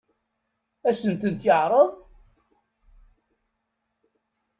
Ad sen-tent-yeɛṛeḍ?